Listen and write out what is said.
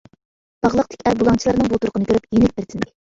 باغلاقتىكى ئەر بۇلاڭچىلارنىڭ بۇ تۇرقىنى كۆرۈپ يېنىك بىر تىندى.